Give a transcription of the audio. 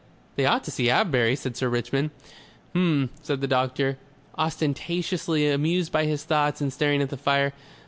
"They ought to see Avebury," said Sir Richmond. "H'm," said the doctor, ostentatiously amused by his thoughts and staring at the fire.